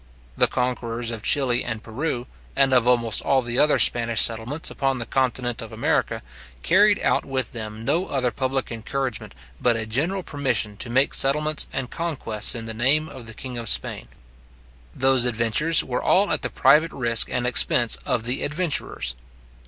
The conquerors of Chili and Peru, and of almost all the other Spanish settlements upon the continent of America, carried out with them no other public encouragement, but a general permission to make settlements and conquests in the name of the king of Spain. Those adventures were all at the private risk and expense of the adventurers.